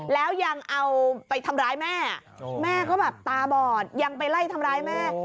แล้วยังเอาไปทำร้ายแม่แม่ก็แบบตาบอดยังไปไล่ทำร้ายแม่